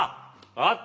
分かったよ